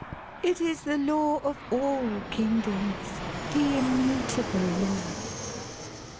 It is the law of all kingdoms, the immutable law."